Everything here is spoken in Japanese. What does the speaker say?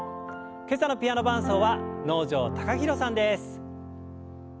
今朝のピアノ伴奏は能條貴大さんです。